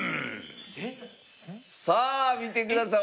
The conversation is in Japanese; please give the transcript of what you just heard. さあ見てください。